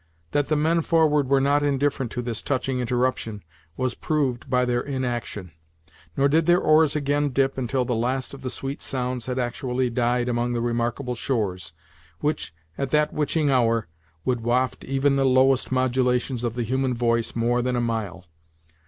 That the men forward were not indifferent to this touching interruption, was proved by their inaction; nor did their oars again dip until the last of the sweet sounds had actually died among the remarkable shores, which, at that witching hour, would waft even the lowest modulations of the human voice more than a mile.